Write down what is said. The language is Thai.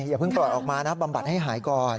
อย่าเพิ่งปล่อยออกมานะบำบัดให้หายก่อน